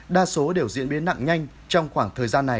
đa số đều diễn biến nặng nhanh trong khoảng thời gian này